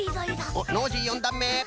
おっノージー４だんめ。